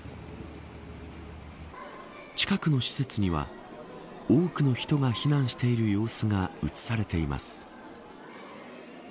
近くの施設には多くの人が避難している様子が映されています。